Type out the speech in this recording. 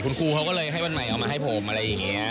คุณครูเขาก็เลยให้วันใหม่เอามาให้ผมอะไรอย่างนี้